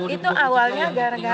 itu awalnya gara gara